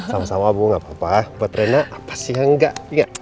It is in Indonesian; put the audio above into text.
sama sama ibu gak apa apa buat rena pasti enggak